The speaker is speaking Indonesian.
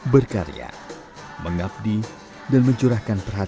berkarya mengabdi dan mencurahkan perhatian